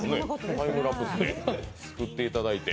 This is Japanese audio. タイムラプスで作っていただいて。